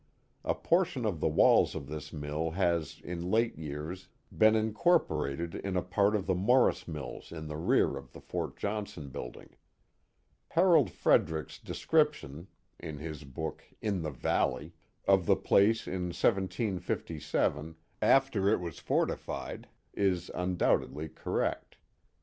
A portion of the walls of this mill has in late years been incorporated in a part of the Morris mills in the rear of the Fort Johnson building. Harold Frederic's description (in his book /// the Valley) of the place in 1757, after it was for tified, is undoubtedly correct.